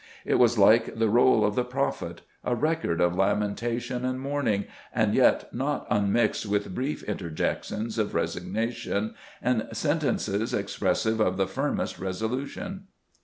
It was like the roll of the prophet, a record of lamentation and mourning, and yet not unmixed with brief interjections of resignation, and sentences expressive of the firmest resolution."